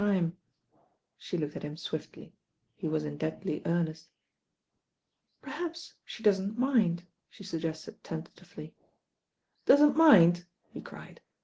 A QUESTION OF ANKLES 187 She looked at him swiftly. He was in deadly earnest. "Perhaps she doesn't mind," she stjggested ten tatively. "Doesn't mind?" he cried.